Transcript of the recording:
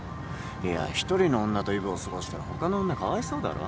いや一人の女とイブを過ごしたら他の女かわいそうだろ。